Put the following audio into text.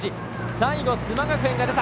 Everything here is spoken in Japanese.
最後、須磨学園が出た。